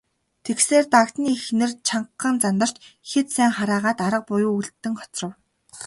Тэгсээр, Дагданы эхнэр нэг чангахан зандарч хэд сайн хараагаад арга буюу үлдэн хоцров.